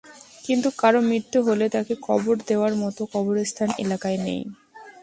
কিন্তু কারও মৃত্যু হলে তাকে কবর দেওয়ার মতো কবরস্থান এলাকায় নেই।